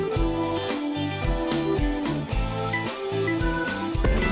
โปรดติดตามตอนต่อไป